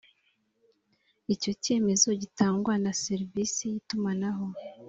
icyo cyemezo gitangwa na serivisi y’itumanaho